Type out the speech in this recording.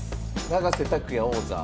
永瀬拓矢王座。